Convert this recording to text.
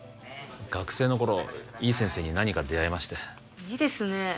学生の頃いい先生に何人か出会いましていいですね